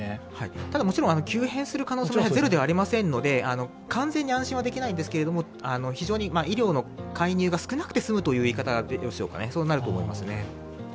ただもちろん、急変する可能性もゼロではありませんので完全に安心はできないんですが、医療の介入が少なくて済むようになると思いますね。